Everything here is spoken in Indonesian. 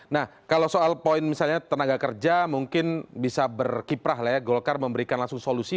nah kalau soal poin misalnya tenaga kerja mungkin bisa berkiprah lah ya golkar memberikan langsung solusi